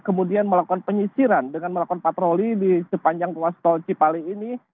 kemudian melakukan penyisiran dengan melakukan patroli di sepanjang ruas tol cipali ini